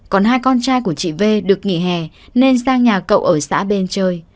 còn hai con trai của chị v được nghỉ hè nên sang nhà cậu ở xã bên chơi